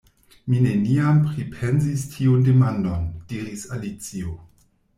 "Mi neniam pripensis tiun demandon," diris Alicio.